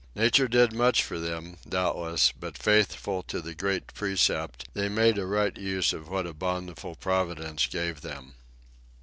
Nature did much for them, doubtless; but faithful to the great precept, they made a right use of what a bountiful Providence gave them.